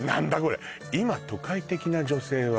「いま都会的な女性は」